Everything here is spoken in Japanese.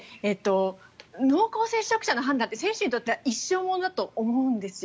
濃厚接触者の判断って選手にとっては一生ものだと思うんですよ。